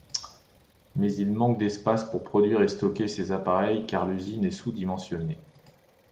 Mais il manque d'espace pour produire et stocker ces appareils car l'usine est sous-dimensionnée.